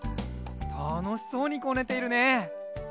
たのしそうにこねているね。